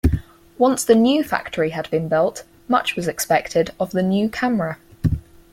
Once the new factory had been built, much was expected of the new camera.